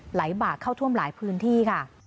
บากเข้าท่วมหลายพื้นที่ค่ะ